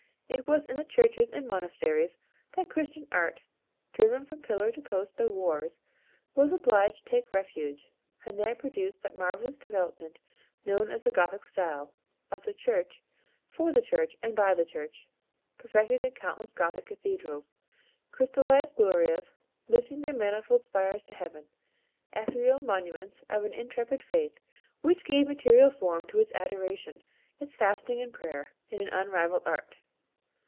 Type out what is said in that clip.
It was in the churches and monasteries that Christian Art, driven from pillar to post by wars, was obliged to take refuge, and there produced that marvellous development known as the Gothic style, of the Church, for the Church and by the Church, perfected in countless Gothic cathedrals, crystallised glorias, lifting their manifold spires to heaven; ethereal monuments of an intrepid Faith which gave material form to its adoration, its fasting and prayer, in an unrivalled art...."